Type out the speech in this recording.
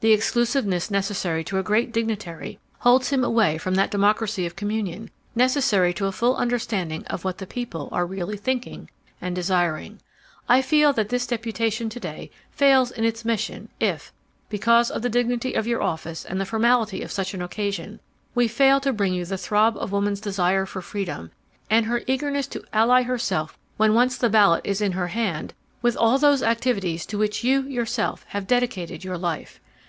The exclusiveness necessary to a great dignitary holds him away from that democracy of communion, necessary to a full understanding of what the people .are really thinking and desiring. I feel that this deputation to day fails in its mission if, because of the dignity of your office and the formality of such an occasion, we fail to bring you the throb of woman's desire for freedom and her eagerness to ally herself when once the ballot is in her hand, with all those activities to which you, yourself, have dedicated your life.